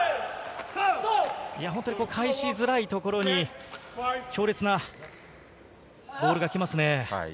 返しづらいところに強烈なボールが来ますよね。